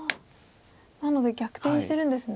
なので逆転してるんですね。